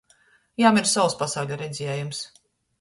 Jam ir sovs pasauļa redziejums.